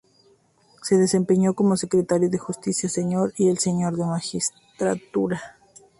Se desempeñó como Secretario de Justicia Señor y el Señor de Magistratura.